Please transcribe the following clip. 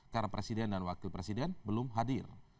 karena presiden dan wakil presiden belum hadir